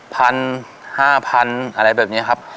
พันห้าพันอะไรแบบนี้ครับ